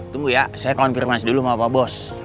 tunggu ya saya konfirmasi dulu sama pak bos